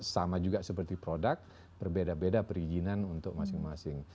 sama juga seperti produk berbeda beda perizinan untuk masing masing